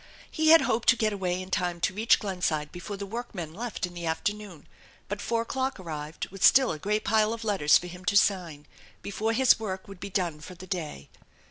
He had hoped to get away in time to reach Glenside before the workmen left in the afternoon, but four o'clock arrived with still a great pile of letters for him to sign, before his work would be done for the day.